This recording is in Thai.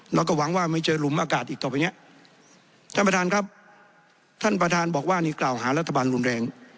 แล้วก็หวังว่าไม่เจอหลุมอากาศอีกต่อไปเนี้ยท่านประธานครับท่านประธานบอกว่านี่กล่าวหารัฐบาลรุนแรง